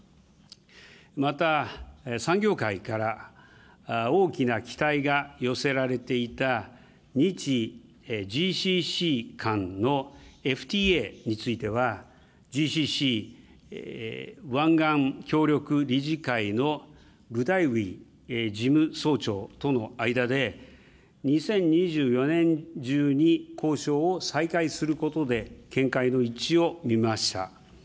また産業界から大きな期待が寄せられていた、日・ＧＣＣ間のＦＴＡについては、ＧＣＣ・湾岸協力理事会のブダイウィ事務総長との間で、２０２４年中に交渉を再開することで、見解の一致を見ました。